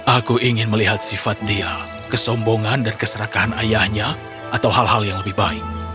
aku ingin melihat sifat dia kesombongan dan keserakahan ayahnya atau hal hal yang lebih baik